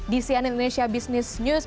di cnn indonesia business news